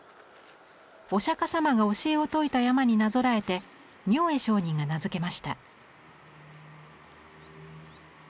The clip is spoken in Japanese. お釈迦様が教えを説いた山になぞらえて明恵上人が名付けました。